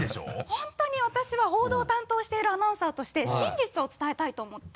本当に私は報道を担当しているアナウンサーとして真実を伝えたいと思って。